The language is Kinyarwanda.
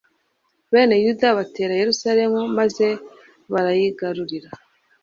bene yuda batera yeruzalemu maze barayigarurira